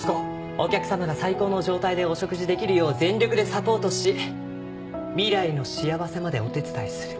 お客様が最高の状態でお食事できるよう全力でサポートし未来の幸せまでお手伝いする。